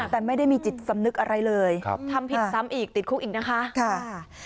แต่ไม่ได้มีจิตสำนึกอะไรเลยทำผิดซ้ำอีกติดคุกอีกนะคะ